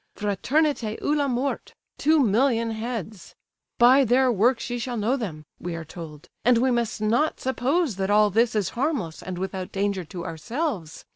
Fraternité ou la Mort; two million heads. 'By their works ye shall know them'—we are told. And we must not suppose that all this is harmless and without danger to ourselves.